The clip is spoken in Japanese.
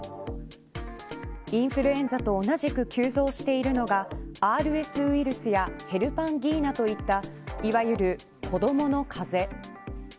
インフルエンザと同じく急増しているのがＲＳウイルスやヘルパンギーナといったいわゆる、子どもの風邪。